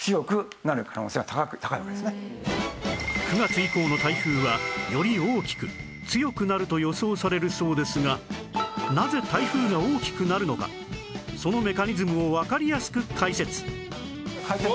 ９月以降の台風はより大きく強くなると予想されるそうですがなぜ台風が大きくなるのかそのメカニズムをわかりやすく解説回転回転。